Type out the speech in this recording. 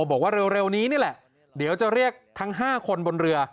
บอกว่าเร็วนี้นี่แหละเดี๋ยวจะเรียกทั้ง๕คนบนเรือ